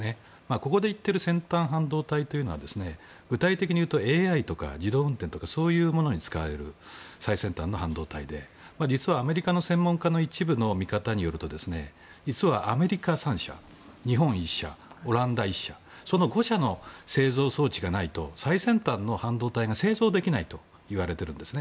ここで言ってる先端半導体というのは具体的に言うとＡＩとか自動運転とかに使われる先端の半導体で実は、アメリカの一部の専門家の見方によると実はアメリカ３社日本１社、オランダ１社その５社の製造装置がないと最先端の半導体が製造できないといわれているんですね。